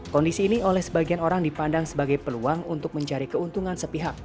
kondisi ini oleh sebagian orang dipandang sebagai peluang untuk mencari keuntungan sepihak